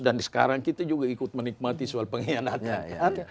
dan sekarang kita juga ikut menikmati soal pengkhianatan